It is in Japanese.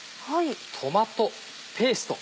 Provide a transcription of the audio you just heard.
トマトペースト。